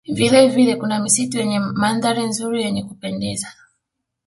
Vilevile kuna misitu yenye mandhari nzuri yenye kupendeza